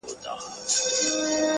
چي هر پردی راغلی دی زړه شینی دی وتلی!